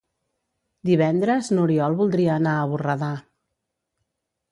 Divendres n'Oriol voldria anar a Borredà.